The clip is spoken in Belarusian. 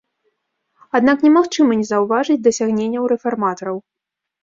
Аднак немагчыма не заўважыць дасягненняў рэфарматараў.